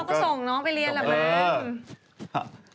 ก็ส่งน้องไปเรียนแหละมั้ง